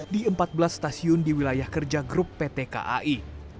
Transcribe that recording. di empat belas stasiun di wilayah kerja grup pt kai